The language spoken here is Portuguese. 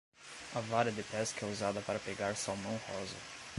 A vara de pesca é usada para pegar salmão rosa.